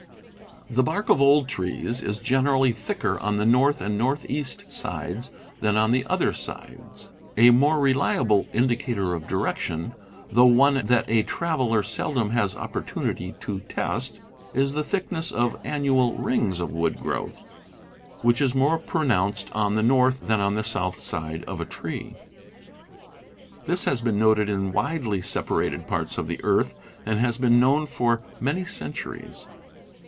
The bark of old trees is generally thicker on the north and northeast sides than on the other sides. A more reliable indicator of direction, though one that a traveler seldom has opportunity to test, is the thickness of ^* annual rings of wood growth, which is more pronounced on the north than on the south side of a tree. This has been noted in widely separated parts of the earth, and has been known for many cen turies.